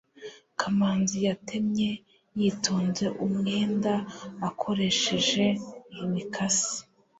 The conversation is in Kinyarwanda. kamanzi yatemye yitonze umwenda akoresheje imikasi